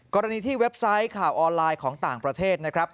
กรณีที่เว็บไซต์ข่าวออนไลน์ของต่างประเทศนะครับ